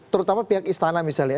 terutama pihak istana misalnya